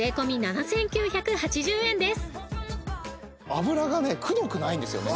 脂がねくどくないんですよね。